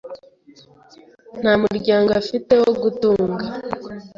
Nta muryango afite wo gutunga .